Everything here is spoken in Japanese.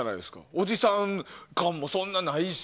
おじさん感もそんなにないし。